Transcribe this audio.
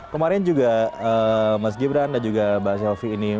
kemarin juga mas gibran dan juga mbak selvi ini